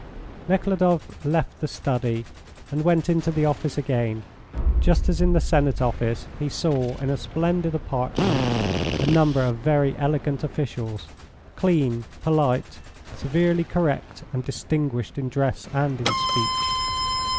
Nekhludoff left the study, and went into the office again. Just as in the Senate office, he saw, in a splendid apartment, a number of very elegant officials, clean, polite, severely correct and distinguished in dress and in speech.